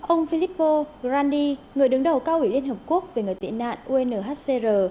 ông philippo grandi người đứng đầu cao ủy liên hợp quốc về người tị nạn unhcr